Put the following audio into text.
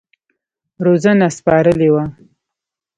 روزنه سپارلې وه.